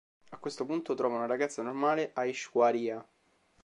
A questo punto trova una ragazza normale Aishwarya.